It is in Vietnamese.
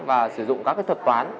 và sử dụng các thời gian